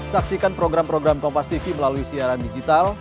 saksikan program program kompastv melalui siaran digital